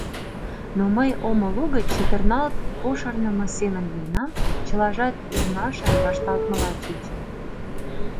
Но мый омо лугыч чытырналт-пошырнымо семын лийынам, чылажат ӧрмашын вашталтмыла чучын.